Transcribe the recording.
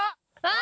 ⁉あ！